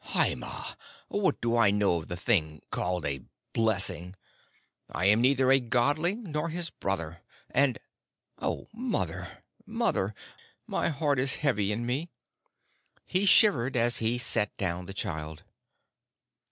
"Hai mai! What do I know of the thing called a blessing? I am neither a Godling nor his brother, and O mother, mother, my heart is heavy in me." He shivered as he set down the child.